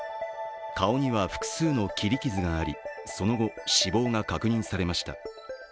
顔には複数の切り傷がありその後、死亡が確認されました。